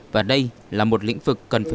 và đây là một lĩnh vực cần phát triển